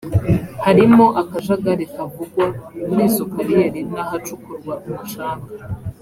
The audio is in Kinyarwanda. harimo akajagari kavugwa muri za kariyeri n’ahacukurwa umucanga